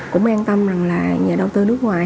cũng an tâm rằng là nhà đầu tư nước ngoài